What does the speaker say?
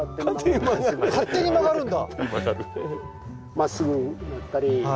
勝手に曲がるんだ。